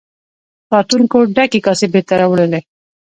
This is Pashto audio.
ساتونکو ډکې کاسې بیرته وړلې.